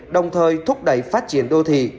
đồng thời thúc đẩy phát triển đô thị